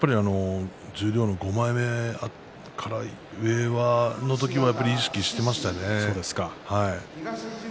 十両の５枚目から上の時は、意識していましたね。